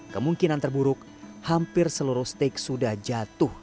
kemungkinan terburuk hampir seluruh stake sudah jatuh